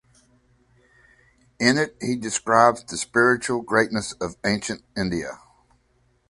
In it he describes the spiritual greatness of Ancient India.